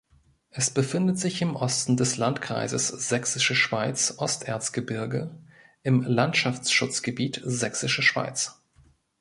Es befindet sich im Osten des Landkreises Sächsische Schweiz-Osterzgebirge im Landschaftsschutzgebiet Sächsische Schweiz.